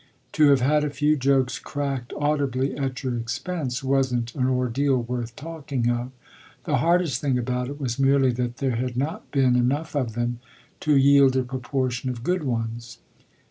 To have had a few jokes cracked audibly at your expense wasn't an ordeal worth talking of; the hardest thing about it was merely that there had not been enough of them to yield a proportion of good ones.